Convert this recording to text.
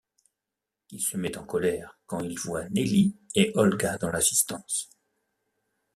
Il se met en colère quand il voit Nelly et Olga dans l'assistance.